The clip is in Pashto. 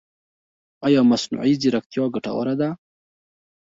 ایا مصنوعي ځیرکتیا ګټوره ده؟